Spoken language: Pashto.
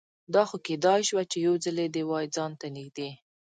دا خو کیدای شوه چې یوځلې دې وای ځان ته نږدې